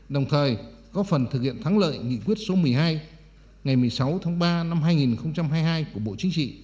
đồng thời có phần thực hiện thắng lợi nghị quyết số một mươi hai ngày một mươi sáu tháng ba năm hai nghìn hai mươi hai của bộ chính trị